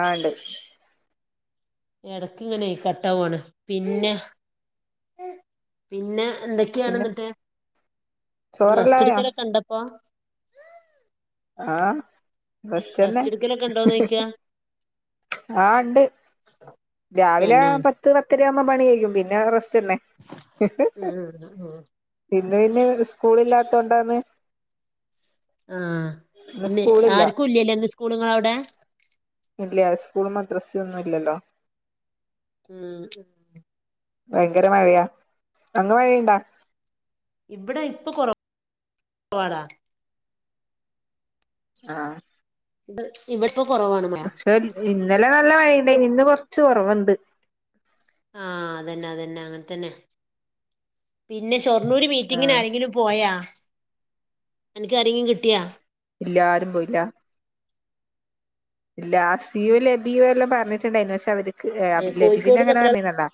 ആ ഇണ്ട് ഇടക് ഇങ്ങനെ കട്ടവാണ് പിന്നെ പിന്നെ എന്തൊക്കെയാണ് പിന്നെ ന്നിട്ട് ഡ്രസ്റ്റ് ചോറല്ലായോ ഇട്ക്കലോണ്ടപ്പോ? ആ റസ്റ്റന്നെ റെസ്റ്റ് എടുക്കലൊക്കെ ഹി ഉണ്ടോന്ന് ഹി ചോദിക്കാ ആ ഇണ്ട് രാവിലെ തന്നെ പത്ത് പത്തര ആവുമ്പോ പണി കെയ്യും പിന്നെ റസ് ന്നെ ഹ് ഹ്. ഉം ഉം. ഇന്ന് പിന്നെ സ്കൂൾ ഇല്ലാതോണ്ടാന്ന് ആഇന്ന് സ്കൂളില്ല ആർക്കും ഇല്ലലെ ഇന്ന് സ്കൂള് ഇങ്ങളെ അവിടെ ഇല്യ സ്കൂളും മദ്രസൊന്നും ഇല്ലല്ലോ ഉം ഭയങ്കര മഴയ. അങ്ങ് മഴയുണ്ടോ? ഇവിടെ ഇപ്പോ കൊറ [unintelligible] വാടാ ആ ഇവ ഇവിട് [unintelligible] പക്ഷെ ഇന്നലെ നല്ല മഴയി ണ്ടന് ഇന്ന് കൊറച്ച് കൊറവ്ണ്ട് ആ അതന്നെ അതന്നെ അങ്ങനെത്തന്നെ പിന്നെ ഷോർ ഇമ്മുര് ആ മീറ്റിങ്ങിന് ആരെങ്കിലും പോയ അ നക്ക് ആരെങ്കിലും കിട്ടിയോ എല്ലാരും പോയില്ലാ ഇല്ല, അസിയു ലബിയു എല്ലാം പർഞ്ഞിട്ടുണ്ടായിര്ന്നു. പക്ഷെ അവര് ഏ, [unintelligible] ലെബി പിന്നെ കോഴിക്കോട്ക്ക് എത്ര എങ്ങനെർഞ്ഞിലല്ലാ,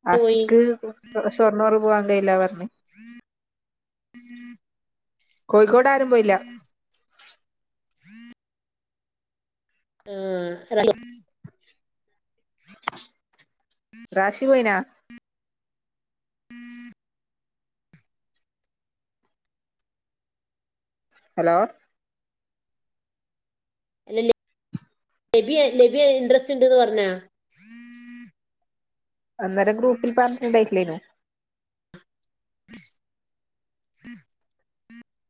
ആള് പോയി അസിക്ക് [unintelligible] ഷോർണ്ണോർ പോവാൻ വെയില പറഞ്ഞ് ഉം [unintelligible] കോഴിക്കോട് ആരും പോയില്ല. ആഹ്, റ [unintelligible] റാഷി പോയിനാ? ഹലോ! [unintelligible] ലബ്യേ ലബ്യേ ഇൻട്രസ്റ്റ് ഉണ്ട്ന്ന് പറഞ്ഞാ, അന്നേരം ഗ്രൂപ്പിൽ പറഞ്ഞിട്ടുണ്ടായിട്ടില്ലേനോ?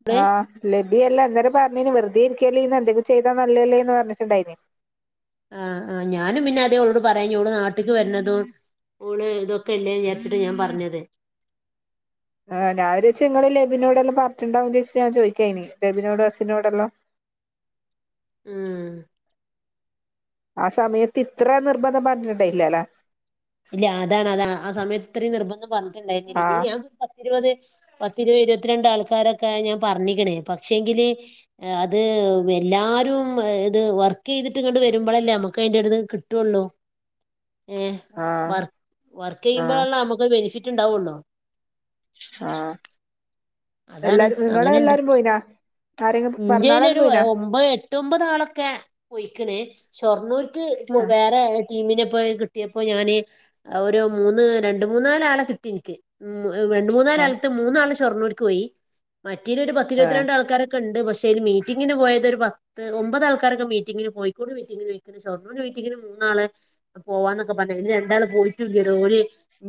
അവിടെ ആഹ് ലേ [unintelligible] ഏ അല്ല. അന്നേരം പർഞ്ഞിനി വെറുതെ ഇരിയ്ക്കല്ലേ ഇര്ന്ന് എന്തെങ്കും ചെയ്താ നല്ലേല്ലേന്ന് പറഞ്ഞിട്ടുണ്ടായിനി. ആ, ആ ഞാനും പിന്നെ അതേഓളോട് പറയാഞ്ഞേ ഓള് നാട്ട്ക്ക് വര്ന്നതും ഓള് ഇതൊക്കെ ഇല്ലേ വിയാര്ച്ചിട്ട് ഞാൻ പർഞ്ഞത്. [inaudible] ആ, ഞാരേച്ച് ങ്ങള് ലബിനോടെല്ലാം പറഞ്ഞിട്ട്ണ്ടാവും രേച്ച് ഞാൻ ചോയിക്കേയ്നി, ലബിനോടോ അസിനോടെല്ലാം [inaudible] ഉം, ആ സമയത്ത് ഇത്ര നിർബന്ധം പർഞ്ഞട്ടി ണ്ടൈല്ല ല്ലെ! ഇത്രിം നിർബന്ധം ആഹ് പറഞ്ഞിട്ട്ണ്ടായിരുന്നില്ല, [unintelligible] പത്തിരുപത് പത്തിരൂവത് ഇരുവത്തിരണ്ട് ആള്ക്കാരൊക്കെ ഞാൻ പർഞ്ഞിക്ക് ണ്, പക്ഷെങ്കില് അത് വല് എല്ലാരും എ ഇത് വർക്കെയ്തിട്ട് ങ്ങട്ട് വരുമ്പളല്ലേ അമക്ക് അയിന്റെ ഒരിത് കിട്ടൊള്ളു. [inaudible] ഏ ആഹ് വർ ആഹ് വർക്കെയ്യുമ്പളാണല്ലൊ അമ്മക്കൊരു ബെനിഫിറ്റ് ഉണ്ടാവൊള്ളൂ. ആ ഹ്! അതാണ് എല്ലാരും അങ്ങനെണ്ട് ഇങ്ങളെല്ലാരും പോയിനാ, ആരെങ്കിലും പറന്നാളന്നും പോയിനാ. അമ്പതാളൊക്കെ പോയിക്ക്ണ്. ഷൊർണ്ണൂർക്ക് പോ ആഹ് വേറെ ടീമിനെ പോയി കിട്ടിയപ്പോ ഞാന് അവര് മൂന്ന് രണ്ട്മൂന്നാലാളെ കിട്ടിനിക്ക്. ഉം, രണ്ട് ആഹ് മൂന്നാലാൾത്ത് മൂന്നാള് ശൊർണ്ണൂര്ക്കോയി. മറ്റേലൊര് ആഹ് പത്തിരുപത്തിരണ്ടാൾക്കാരൊക്കെണ് പക്ഷെ, [unintelligible] മീറ്റിങ്ങിന് പോയത് ഒരു പത്ത് ഒമ്പത് ആൾക്കാരൊക്കെ മീറ്റിങ്ങിന് പോയി. കോഴിക്കോട് മീറ്റിഗിന് പോയിക്ക്ണ്. ഷൊർണ്ണൂർ മീറ്റിന് മൂന്നാള് പോവാന്നൊക്കെ പറഞ്ഞ, [unintelligible] രണ്ടാള് പോയിട്ടുല്ലേലോ ഓര്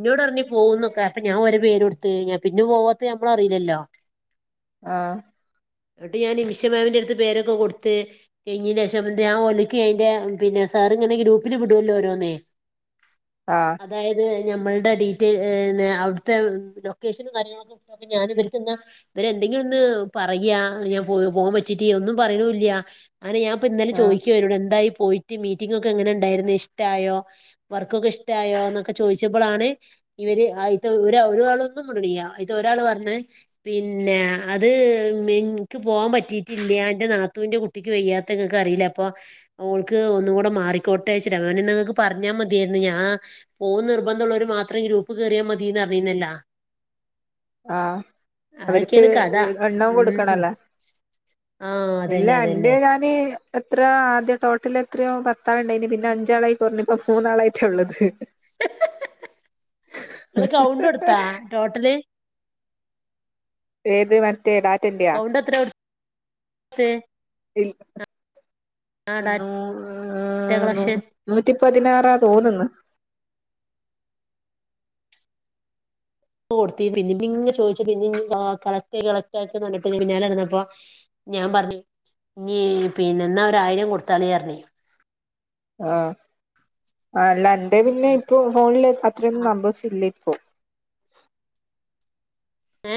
ന്നോടർഞ്ഞി പോവുന്നൊക്കെ ഞാഓരെ പേരൊടുത്ത്, ഞാ പിന്നെ പോവാത്തെ ഞമ്മളറീലല്ലോ? ആഹ്! ട്ട് ഞാന് നിമിഷമാമിന്റട്ത്ത് പേരൊക്കെ കൊട്ത്ത്, കയ്ഞ്ഞേൻ്റേശം പിന്നെഞാ ഒലുക്ക് അയ്ന്റെ പിന്നെ സാറിങ്ങനെ ഗ്രൂപ്പില് വിടൊല്ലോരോന്ന്, ആഹ് അതായത് ഞമ്മൾടെ ഡീറ്റെയ് ഏ ന്നെ അവ്ട്ത്തെ ലൊക്കേഷനും കാര്യങ്ങളൊക്കെ ഞാൻ ഇവർക്ക്ന്ന ഇവരെന്തെങ്കിലൊന്ന് പറയാ ഞാ ഫോൺ വെച്ചിട്ട് ഒന്നും പറയണൂല്ല്യാ അങ്ങനെ ഞാൻപ്പോന്നലെ ആഹ് ചോയിക്കാ വരോട്, എന്തായ് പോയിട്ട് മീറ്റിങ്ങൊക്കെങ്ങനെണ്ടായിര്ന്ന്, ഇഷ്ടായോ വർക്കൊക്കെ ഇഷ്ടായോന്നൊക്കെ ചോയിച്ചപ്പളാണ് ഇവര് ആയിത്തെ എന്നഒരു ഒരാളൊന്നും മിണ്ടുന്നില്ല്യാ ഒരാള് പർഞ്ഞ്, പിന്നെ അത് മിൻ ഇൻക്ക് പോവാൻപറ്റിട്ടില്ല്യാ ന്റെനാത്തൂന്റെ കുട്ടി കുട്ടിക്ക് വയ്യാത്തങ്ങക്ക് അറീലെ അപ്പൊ ഓൾക്ക് ഒന്ന് കൂടെ മാറിക്കോട്ടെ വെച്ചിട്ടാ, അപ്പോ നിങ്ങക്ക് പറഞ്ഞ മതിയേ ന്ന് ഞാ പോകുന്ന് നിർബന്ധമുള്ളവര് മാത്രം ഗ്രൂപ്പ് കേറിയാ മതിന്നറിഞ്ഞീന്നല്ലോ. ആഹ്, അവര്ക്ക് അതൊക്കെയാണ് കഥ എണ്ണം ഉം കൊടുക്കണല്ലേ? ആഹ് ഇല്ല, അതന്നെ എന്റെ അതന്നെ ഞാന് എത്രയാദ്യം ടോട്ടല് എത്രയോ പത്താളുണ്ടെയിനി, പിന്നഞ്ചാളായി കൊർഞ്ഞിപ്പംമൂന്നാളായിയിട്ടാള്ളത്. ഹ് ഹ് ഹ് ങ്ങള് കൗണ്ട്ടുത്താ ടോട്ടല്? ഏത്, മറ്റേ ഡാറ്റന്റെയാ? കൗണ്ട് എത്ര [unintelligible] ഇൽ ആ ഡാറ്റ നൂ നൂ കളക്ഷൻ നൂറ്റി പതിനാറാ തോന്ന്ന്ന്. കൊട്ത്തി പിന്നി പിന്നി ചോയിച്ച് പിന്നി കളക് കളക്ടായി കളക്ടായിട്ട [unintelligible] പിന്നാലടന്നപ്പോ ഞാൻ പറഞ്ഞ് ഇനി പിന്നെ ന്നാ ഒരായിരം കൊടുത്താളി അർഞ്ഞ് ആ ആല്ലന്റെ പിന്നെ ഇപ്പൊ ഫോണില് അത്രയൊന്നും ആഹ് നമ്പേഴ്സ് ഇല്ലേ ഓ ഏ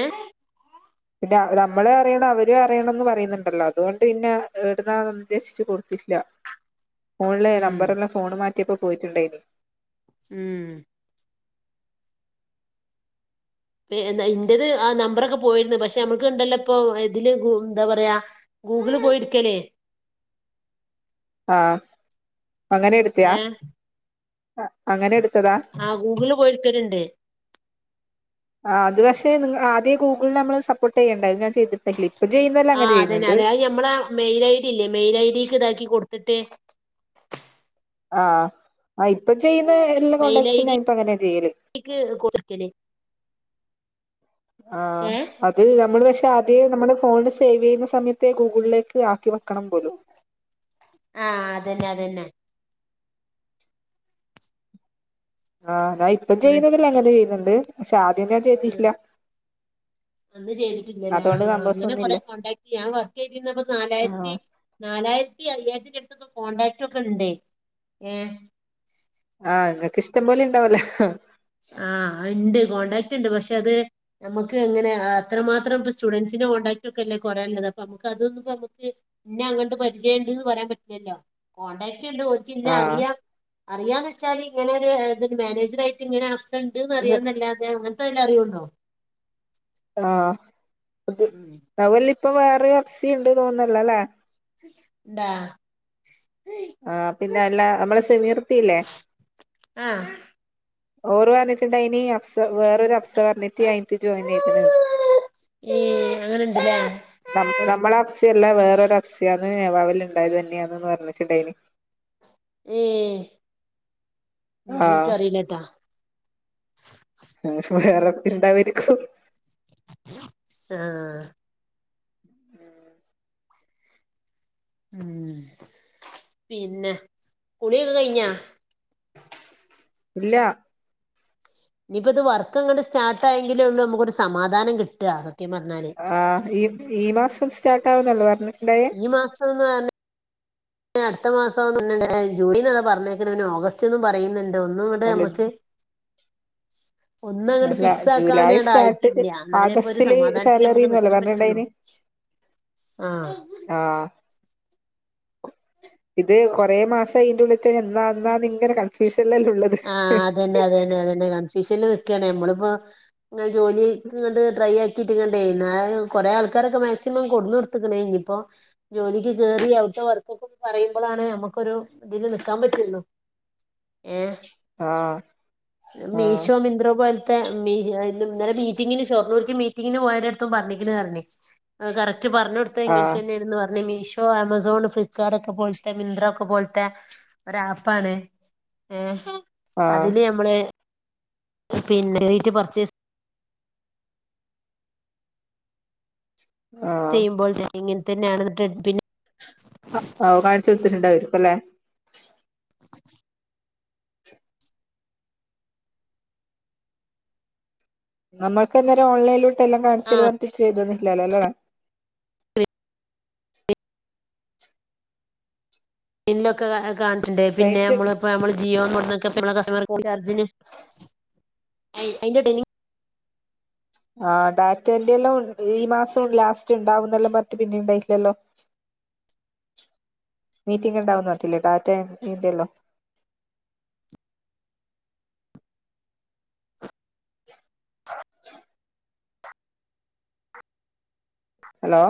പിന്നെ നമ്മളും അറിയണം അവരും അറിയണന്ന് പറയുന്നുണ്ടല്ലോ അതുകൊണ്ട് പിന്നെ എവിടുന്നാ ഉദ്ദേശിച്ച് കൊടുത്തില്ല ഫോണിലെ ഉം നമ്പറെല്ലാം ഫോണ് മാറ്റിയപ്പോ പോയിട്ടുണ്ടായിനി ഉം പി ഇന്റത് ആ നമ്പറൊക്കെ പോയിരുന്നു പക്ഷെ നമ്മുക്ക് ഇണ്ടല്ലോ ഇപ്പൊ ഇതില് എന്താ പറയാ ഗൂഗിള് പോയിട്ക്കല് ആ അങ്ങനെ എടുത്തയാ? അങ്ങനെ എടുത്തതാ ആ ഗൂഗിള് പോയി എടുക്കലുണ്ട് ആ അത് പക്ഷെ നിങ്ങ ആദ്യേ ഗൂഗിളില് നമ്മള് സപ്പോർട്ട് ചെയ്യണ്ടേ അതി ആ അതന്നെ അത് ഞമ്മളെ മെയിൽ ഐ ഡി ഇല്ലേ മെയിൽ ഐ ഡിക്ക് ഇതാക്കി കൊടുക്ക ത്തിട്ട് ആ ആ ഇപ്പൊ ചെയ്യുന്ന എല്ലാ മെയിൽ ഐ കോണ്ടാക്സും ഞാൻ ഇപ്പ അങ്ങനെ ചെയ്യല് ഡിക്ക് കൊടുക്കല് ആ ഏഹ് അത് നമ്മള് ഇഷ് ആദ്യേ നമ്മള് ഫോൺ സേവ് ചെയ്യുന്ന സമയത്ത് ഗൂഗിളിലേക്ക് ആക്കി വെക്ക ആ അതന്നെ അതന്നെ ആ ഞാൻ ഇപ്പം ചെയ്യുന്നതില് അങ്ങനെ ചെയ്യുന്നുണ്ട് പക്ഷെ ആദ്യം ഞാൻ ആഹ് ചെയ്തിട്ടില്ല അന്ന് ചെയ്തിട്ടില്ലല്ലേ ആ അതുകൊണ്ട് സംഭവസം അങ്ങനെ കൊറെ ഒന്നുമില്ല കോടാക്ട് ഞാൻ വർക്ക് ചെയ്തിരുന്നപ്പോ ആഹ് നാലായിരത്തി നാലായിരത്തി അയ്യായിരത്തിന്റടുത്തൊക്ക കോൺടാക്ട് ഒക്കെ ഉണ്ട് ഏ ആ നിനക്ക് ഇഷ്ടം പോലെ ഇണ്ടാവുലേ ആ ഇണ്ട് കോൺടാക്റ്റ് ഉണ്ട് പക്ഷെ അത് നമുക്ക് എങ്ങനെ അത്രമാത്രം സ്റ്റുഡൻസി നെ കോടാക്ട് ഒക്കെല്ലേ കൊറേള്ളത് അപ്പൊ നമുക്ക് അതൊന്നും നമുക്ക് ഇന്നെ അങ്ങട്ട് പരിചയം ഉണ്ട്ന്ന് പറയാൻ പറ്റില്ലല്ലോ കോണ്ടാക്റ്റ് റ്റ് ഇണ്ട് ഓൽക്ക് ഇന്നെ ആഹ് അറിയാം അറിയാന്ന് വെച്ചാൽ ഇങ്ങനെ മാനേജറായിട്ട് ഇങ്ങനെ ഇണ്ട്ന്ന് അറിയാന്നല്ലാതെ അങ്ങനത്തെല്ല അറിയുള്ളു ആ അത് ഉം അതല്ല ഇപ്പ വേറേ വെബ്സി ഇണ്ട് തോന്നല്ലോല്ലേ ഉണ്ടാ ആ പിന്നെ അല്ല നമ്മള് സമീറുപ്പില്ലേ ആഹ് ഓര് പറഞ്ഞിട്ടുണ്ടായിനി അബ്സ വേറൊരു അബ്സ [unintelligible] ജോയിൻ ചെയ്ത്ണ് ഏ അങ്ങനെ ഇണ്ട്ല്ലേ നമ്മള് നമ്മളെ അബ്സെ അല്ല വേറൊരു അഫ്സിയാന്ന് നേവാവിൽ ഉണ്ടായത് തന്നെയാണെന്ന് പറഞ്ഞിട്ടുണ്ടായിനി ഏ ന്ന ആഹ് എനിക്കറിയില്ലട്ടൊ ഇണ്ടാവരിക്കും ആ ഉം പിന്നെ കുളിയൊക്കെ കഴിഞ്ഞാ? ഇല്ല ഇനിയിപ്പോ ഇത് വർക്ക്ങ്ങട്ട് സ്റ്റാർട്ട് ആയെങ്കിലെ ഉള്ളൂ നമുക്ക് ഒരു സമാധാനം കിട്ട ആ ഈ ഈ മാസം സ്റ്റാർട്ട് ആവുന്നല്ലേ പറഞ്ഞിട്ടുണ്ടായേ [unintelligible] അടുത്ത മാസം ജൂലന്ന് പറഞ്ഞേക്കണ പിന്നെ ഓഗസ്റ്റ്ന്നും പറയുന്നുണ്ട് ഒന്നും ഇങ്ങട് അല്ല നമ്മക്ക് ഒന്നും അങ്ങട് അല്ല ഫിക്സ് ജൂലൈ ആക്കാനണ് സ്റ്റാർട്ട് ആയിട്ടില്ല എന്നാലേ ഇപ്പൊ ഒരു ആഗസ്റ്റില് സമാധാനത്തിൽ നമുക്ക് നിക്കാൻ പറ്റുള്ളൂ ശബ്ദം ക്ലിയർ അല്ല ആ ഇത് കൊറേ മാസം അയിന്റെ ഉള്ളിക്ക് എന്നാ എന്നാ നിങ്ങനെ കൺഫ്യൂഷൻ ആഹ് അതന്നെ അതന്നെ അതന്നെ കൺഫ്യൂഷനിൽകുകയാണ് നമ്മളിപ്പോ ജോലിക്ക് ട്രൈ ആക്കി [unintelligible] കൊറേ ആൾക്കാരൊക്കെ മാക്സിമം കൊടുന്ന് കൊടുത്തക്ക് ണ ഇനി ഇപ്പോ ജോലിക്ക് കേറി [unintelligible] വർക്കൊക്കെ പറയുമ്പളാണ് നമുക്കൊരു ഇതില് നിക്കാൻ പറ്റുള്ളൂ ഏ ആഹ് ആഹ് മീശോ മിന്ദ്രോ പൽ ഒക്കെ മീറ്റിങ്ങിന് ഷൊർണ്ണൂർക്ക് മീറ്റിങ്ങിന് പോയിടത്തും ഓൻ പറഞ്ഞിക്ക്ണ് പറഞ്ഞു അറ്റ പറഞ്ഞ കൊടുത്തത് ഇങ്ങനെ ആഹ് തന്നെയാണ് പറഞ്ഞു മീ ശോ ആമസോൺ ഫ്ലിപ്പ്കാർട്ട് ഒക്കെ പോലത്തെ മിന്ത്ര ഒക്കെ പോലത്തെ ഒരു ആപ്പാണ് ഏ ആഹ് അതില് നമ്മള് പിന്നെ നേരീട്ടു പർച്ചേസ് ആഹ് ചെയ്യുമ്പോൾ ഇങ്ങനെ തന്നെയാണ് ട്രെൻഡ്പിൻ ഓ ഓ കാണിച്ചു കൊടുത്തിട്ടുണ്ടാവും അല്ലെ നമ്മൾക്ക് അന്നേരം ഓൺലൈനിട്ട് എല്ലാം കാണിച്ചു ആ തരുവാചെയ്ത തന്നിട്ടില്ലല്ലോ അല്ലേ ഇന്നൊക്കെ കാണിച്ചിട്ടുണ്ട് പിന്നെ റേഞ്ച് നമ്മളിപ്പോ നമ്മള് ജീവൻ [unintelligible] കസ്റ്റമർ കോൾ ചാർജിന് [inaudible] ആ ഡയറക്റ്റ്ആയിട്ടു എല്ലാം ഈ മാസം ലാസ്റ്റ് ഉണ്ടാവുന്നെല്ലാം പറഞ്ഞട്ട് പിന്നെ ഉണ്ടായില്ലല്ലോ മീറ്റിംഗ ഉണ്ടാവും എന്ന് പറഞ്ഞിട്ടില്ലേ ടാറ്റ ഇന്റല്ലോ ഹലോ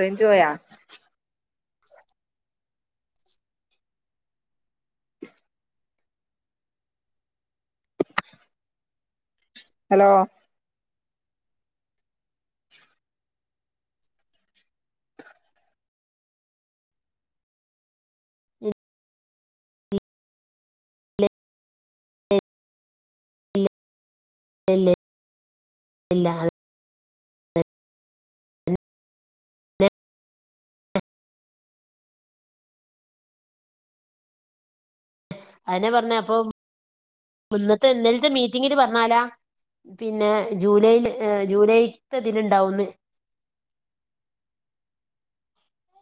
റെയിഞ്ചു പോയോ ഹലോ ഇല്ല ഇല്ല അതുതന്നെ [unintelligible] പറഞ്ഞ അപ്പൊ ഇന്നത്തെ ഇന്നലത്തെ മീറ്റിങ്ങില് പറഞ്ഞാലാ പിന്നെ ജൂലൈ ജൂലൈത്തെതിൽ ഉണ്ടാവും മെന്ന്